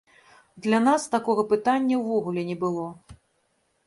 Для нас такога пытання ўвогуле не было.